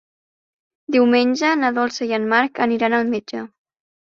Diumenge na Dolça i en Marc aniran al metge.